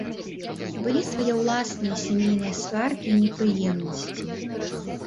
Былі свае ўласныя сямейныя сваркі і непрыемнасці.